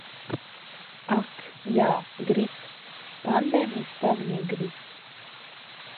Ak, jā, griķi. Pandēmijas slavenie griķi.